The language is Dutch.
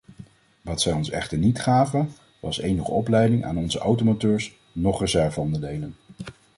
Wat zij ons echter niet gaven, was enige opleiding aan onze automonteurs, noch reserve-onderdelen.